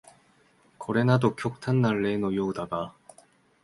これなど極端な例のようだが、